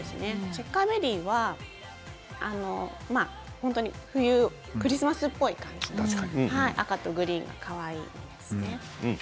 チェッカーベリーは本当にクリスマスっぽい赤とグリーンがかわいいものです。